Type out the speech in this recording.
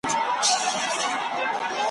او واه واه به ورته ووایي `